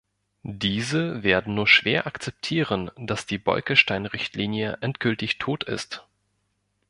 Diese werden nur schwer akzeptieren, dass die Bolkestein-Richtlinie endgültig tot ist.